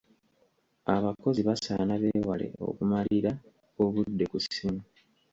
Abakozi basaana beewale okumalira obudde ku ssimu.